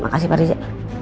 makasih pak rizie